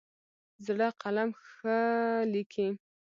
زړه قلم ښه لیکي.